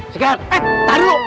sekarang eh tahan dulu